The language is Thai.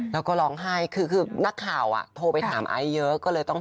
แล้วก็ร้องไห้คือนักข่าวโทรไปถามไอ้เยอะ